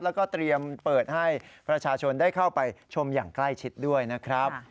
แล้วก็เตรียมเปิดให้ประชาชนได้เข้าไปชมอย่างใกล้ชิดด้วยนะครับ